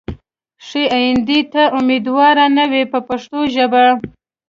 ښې ایندې ته امیدوار نه وي په پښتو ژبه.